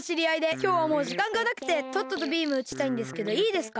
きょうはもうじかんがなくてとっととビームうちたいんですけどいいですか？